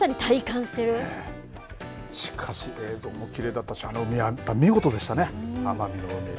しかし映像もきれいだったし見事でしたね、奄美の海は。